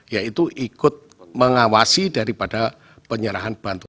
yaitu ikut mengawasi daripada penyerahan bantuan